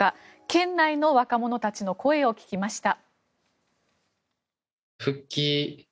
県内の若者たちの声を聞きました。